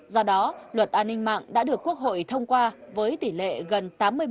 do đó luật an ninh mạng đã được quốc hội thông qua với tỷ lệ gần tám mươi bảy